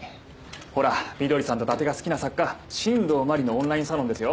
ほらみどりさんと伊達が好きな作家新道真理のオンラインサロンですよ。